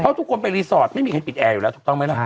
เพราะทุกคนไปรีสอร์ทไม่มีใครปิดแอร์อยู่แล้วถูกต้องไหมล่ะ